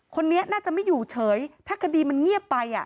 คนนี้น่าจะไม่อยู่เฉยถ้าคดีมันเงียบไป